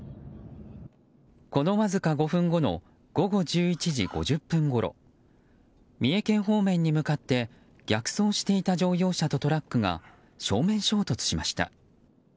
このわずか５分後の午後１１時５０分ごろ三重県方面に向かって逆走していた乗用車とトラックが正面衝突しました。